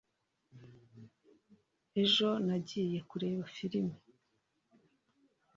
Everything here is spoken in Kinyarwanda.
ejo nagiye kureba firime